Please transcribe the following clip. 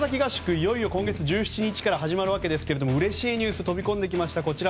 いよいよ今月１７日から始まるわけですが嬉しいニュース飛び込んできました。